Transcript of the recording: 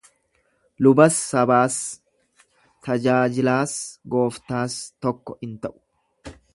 Lubas sabaas, tajaajilaas gooftaas tokko in ta'u.